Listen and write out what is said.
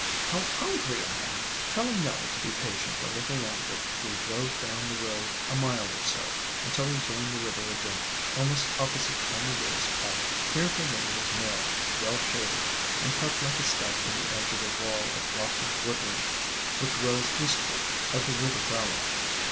how hungry I am!" Telling Nellie to be patient a little longer, we drove down the road a mile or so, until we joined the river again, almost opposite Time o' Year's cabin. Here the way was narrow, well shaded, and cut like a step in the edge of a wall of rocky woodland, which rose eastward of the river valley.